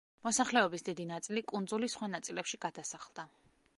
მოსახლეობის დიდი ნაწილი კუნძულის სხვა ნაწილებში გადასახლდა.